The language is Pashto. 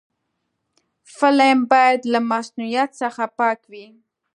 فلم باید له مصنوعیت څخه پاک وي